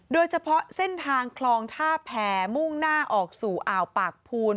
โดยเฉพาะเส้นทางคลองท่าแผ่มุ่งหน้าออกสู่อ่าวปากภูน